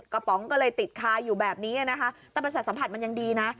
ป๋องก็เลยติดคาอยู่แบบนี้นะคะแต่ประสาทสัมผัสมันยังดีนะ